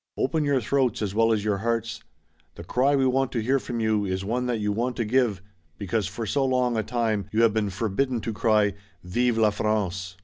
Open your throats as well as your hearts. The cry we want to hear from you is one that you want to give because for so long a time you have been forbidden to cry 'Vive la France.'"